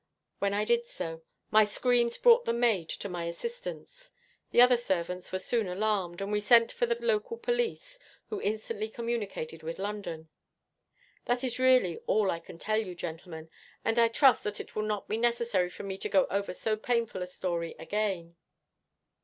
When I did so, my screams brought the maid to my assistance. The other servants were soon alarmed, and we sent for the local police, who instantly communicated with London. That is really all that I can tell you, gentlemen, and I trust that it will not be necessary for me to go over so painful a story again.'